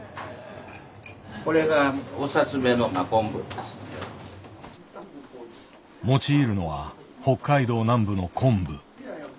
これが用いるのは北海道南部の昆布。